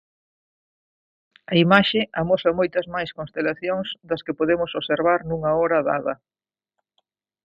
A imaxe amosa moitas máis constelacións das que podemos observar nunha hora dada.